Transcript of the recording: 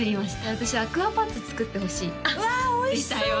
私アクアパッツァ作ってほしいあっ出たよ